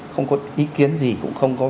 không có ý kiến gì cũng không có ý kiến gì